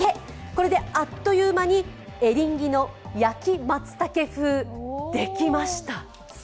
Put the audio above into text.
これであっという間にエリンギの焼きまつたけ風、できました。